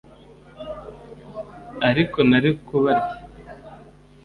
ariko nari kubarya